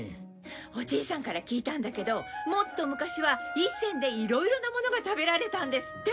おじいさんから聞いたんだけどもっと昔は１銭でいろいろなものが食べられたんですって。